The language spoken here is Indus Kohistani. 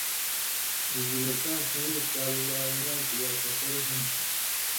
ہِجرتیِاں ݜویؤں کالہ لا عُمراں کِریا سفر ہُون٘دوۡ۔